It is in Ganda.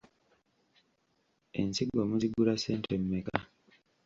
Ensigo muzigula ssente mmeka?